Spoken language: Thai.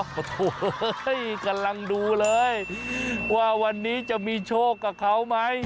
โอ้โหกำลังดูเลยว่าวันนี้จะมีโชคกับเขาไหม